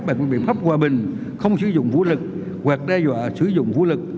bằng các biện pháp hòa bình không sử dụng vũ lực hoặc đe dọa sử dụng vũ lực